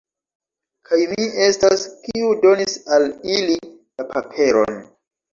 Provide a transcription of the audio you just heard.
Kaj mi estas, kiu donis al ili la paperon!